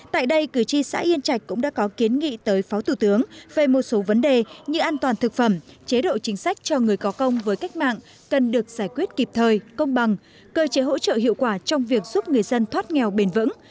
tại đây cử tri xã yên trạch cũng đã có kiến nghị tới phó thủ tướng về một số vấn đề như an toàn thực phẩm chế độ chính sách cho người có công với cách mạng cần được giải quyết kịp thời công bằng cơ chế hỗ trợ hiệu quả trong việc giúp người dân thoát nghèo bền vững